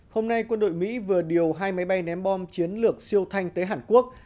hôm nay quân đội mỹ vừa điều hai máy bay ném bom chiến lược siêu thanh tới hàn quốc